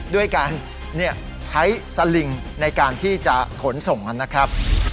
ด้วยการใช้สลิงในการที่จะขนส่งนะครับ